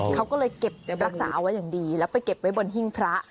เขาก็เลยเก็บรักษาเอาไว้อย่างดีแล้วไปเก็บไว้บนหิ้งพระ